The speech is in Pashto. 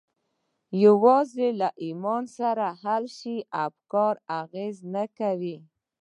یوازې له ایمان سره حل شوي افکار اغېز نه کوي